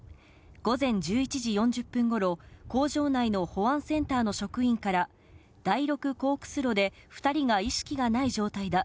午前１１時４０分ごろ、工場内の保安センターの職員から、第６コークス炉で２人が意識がない状態だ。